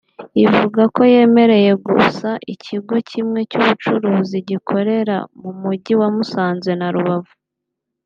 Ivuga ko yemereye gusa ikigo kimwe cy’ubucuruzi gikorera mu Mujyi wa Musanze na Rubavu